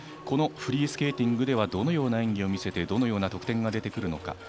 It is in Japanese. このフリースケーティングではどのような演技を見せてどのような得点が出てくるのか。